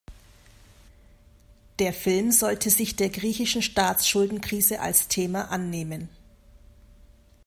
Der Film sollte sich der griechischen Staatsschuldenkrise als Thema annehmen.